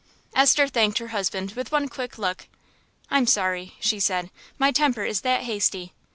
Esther thanked her husband with one quick look. "I'm sorry," she said, "my temper is that hasty.